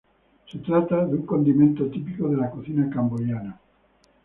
Se trata de un condimento típico de la cocina camboyana.